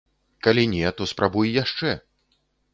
Калі не, то спрабуй яшчэ!